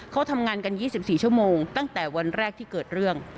เขาทำงานกัน๒๔ชั่วโมงตั้งแต่วันแรกที่เกิดเรื่อง